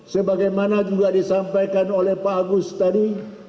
sebagaimana juga disampaikan oleh pak agus tadi